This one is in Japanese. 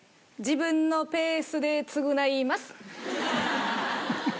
自分のペースで償います。